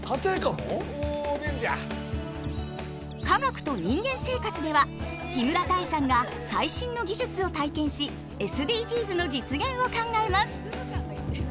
「科学と人間生活」では木村多江さんが最新の技術を体験しＳＤＧｓの実現を考えます。